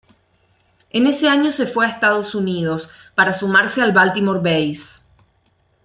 En ese año se fue a Estados Unidos para sumarse al Baltimore Bays.